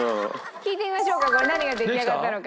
聴いてみましょうかこれ何が出来上がったのか。